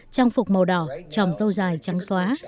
trong phục màu đỏ tròm dâu dài trắng xóa